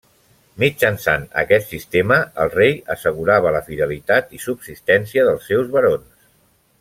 Mitjançant aquest sistema el rei assegurava la fidelitat i subsistència dels seus barons.